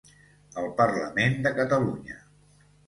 El Parlament de Catalunya